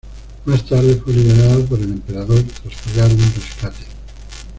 Más tarde fue liberado por el Emperador tras pagar un rescate.